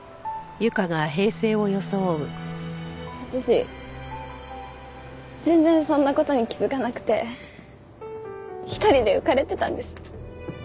私全然そんな事に気づかなくて一人で浮かれてたんです。